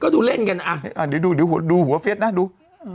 เก้าดูเล่นกันอะอันนี้ดูเหรอเดี๋ยวนี้ดูหัวเฟี้ยทนะดู